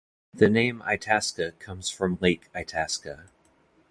The name "Itasca" comes from Lake Itasca.